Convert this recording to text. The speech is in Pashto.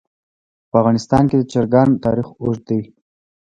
په افغانستان کې د چرګان تاریخ اوږد دی.